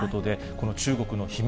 この中国の秘密